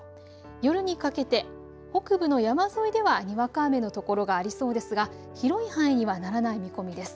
夜にかけて北部の山沿いではにわか雨の所がありそうですが広い範囲にはならない見込みです。